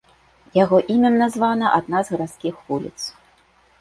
Яго імем названа адна з гарадскіх вуліц.